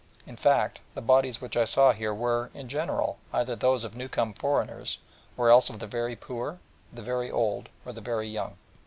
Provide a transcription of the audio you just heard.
In fact, the bodies which I saw here were, in general, either those of new come foreigners, or else of the very poor, the very old, or the very young.